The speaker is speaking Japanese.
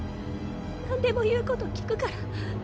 何でも言うこと聞くから。